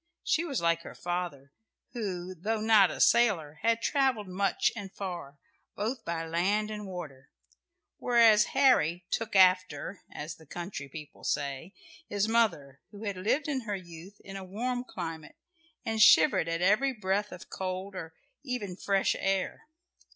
She was like her father, who, though not a sailor, had travelled much and far, both by land and water; whereas Harry "took after," as the country people say, his mother, who had lived in her youth in a warm climate, and shivered at every breath of cold or even fresh air.